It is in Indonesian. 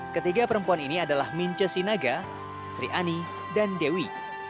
ketiga perempuan ini adalah mince sinaga sri ani dan dewi